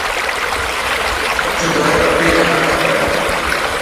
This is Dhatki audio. هٿ ڌوئي روٽي کاڻ کپي.